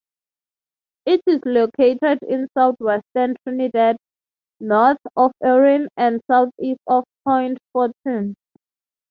It is located in southwestern Trinidad, north of Erin and southeast of Point Fortin.